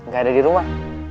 ga ada di rumah